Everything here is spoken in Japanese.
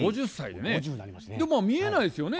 でも見えないですよね。